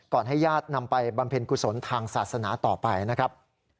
ให้ญาตินำไปบำเพ็ญกุศลทางศาสนาต่อไปนะครับ